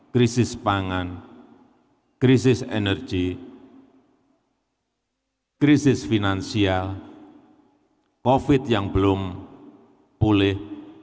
krisis pangan krisis energi krisis finansial covid yang belum pulih